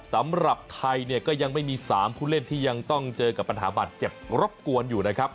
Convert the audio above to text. สำหรับไทยเนี่ยก็ยังไม่มี๓ผู้เล่นที่ยังต้องเจอกับปัญหาบาดเจ็บรบกวนอยู่นะครับ